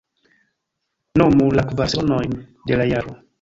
Nomu la kvar sezonojn de la jaro.